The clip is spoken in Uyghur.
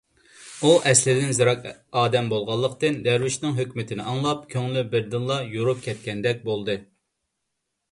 ئۇ ئەسلىدىن زېرەك ئادەم بولغانلىقتىن، دەرۋىشنىڭ ھۆكمىتىنى ئاڭلاپ، كۆڭلى بىردىنلا يورۇپ كەتكەندەك بولدى.